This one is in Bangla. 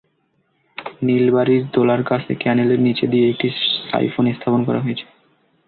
নিলবাড়ীর দোলার কাছে ক্যানেলের নিচ দিয়ে একটি সাইফোন স্থাপন করা হয়েছে।